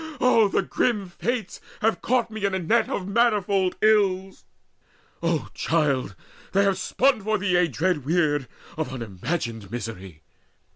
Oh, the grim fates have caught me in a net Of manifold ills! O child, they have spun for thee Dread weird of unimagined misery!